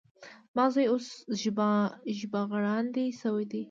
زما زوی اوس ژبغړاندی شوی دی.